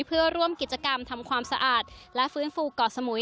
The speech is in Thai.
เพื่อร่วมกิจกรรมทำความสะอาดและฟื้นฟูเกาะสมุย